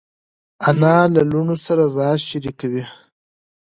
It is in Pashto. انا له لوڼو سره راز شریکوي